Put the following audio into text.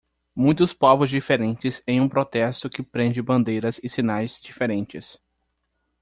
Muitos povos diferentes em um protesto que prende bandeiras e sinais diferentes.